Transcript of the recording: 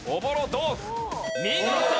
見事！